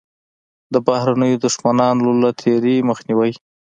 د بهرنیو دښمنانو له تېري مخنیوی.